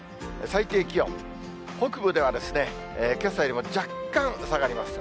最低気温、北部ではけさよりも若干下がります。